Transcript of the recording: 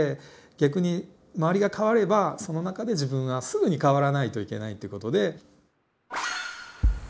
逆に周りが変わればその中で自分がすぐに変わらないといけないって事で。